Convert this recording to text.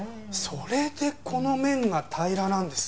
それでこの面が平らなんですね。